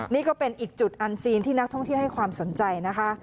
นี่ก็เป็นอีกจุดอันซีนที่นักท่องเที่ยวให้ความสนใจนะคะ